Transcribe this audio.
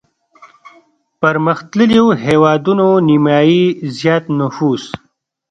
پرمختلليو هېوادونو نيمايي زيات نفوس